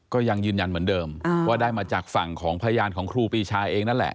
ก็ยังยืนยันเหมือนเดิมว่าได้มาจากฝั่งของพยานของครูปีชาเองนั่นแหละ